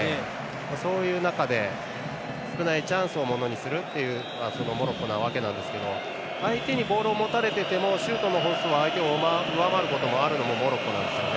そういう中で少ないチャンスをものにするというそのモロッコなわけなんですけど相手にボールを持たれていてもシュートの本数は相手を上回ることもあるのがモロッコなんですよね。